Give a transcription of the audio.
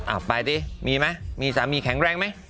อ่ะไปสิมีมั้ยมีสามีแข็งแรงมั้ย